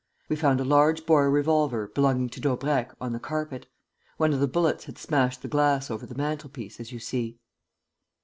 We found a large bore revolver, belonging to Daubrecq, on the carpet. One of the bullets had smashed the glass over the mantel piece, as you see."